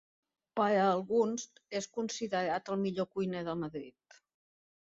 Per a alguns és considerat el millor cuiner de Madrid.